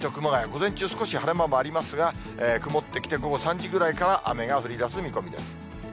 午前中、少し晴れ間もありますが、曇ってきて午後３時ぐらいから雨が降りだす見込みです。